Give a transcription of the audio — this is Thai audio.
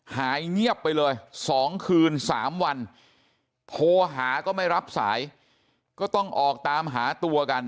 หายเงียบไปเลย๒คืน๓วันโทรหาก็ไม่รับสายก็ต้องออกตามหาตัวกัน